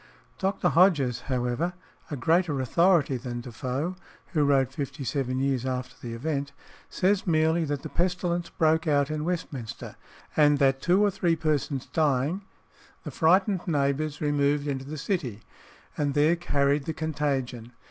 Dr. Hodges, however, a greater authority than Defoe, who wrote fifty seven years after the event, says merely that the pestilence broke out in Westminster, and that two or three persons dying, the frightened neighbours removed into the City, and there carried the contagion.